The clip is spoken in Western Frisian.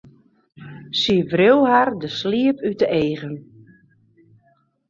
Sy wreau har de sliep út de eagen.